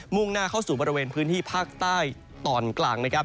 ่งหน้าเข้าสู่บริเวณพื้นที่ภาคใต้ตอนกลางนะครับ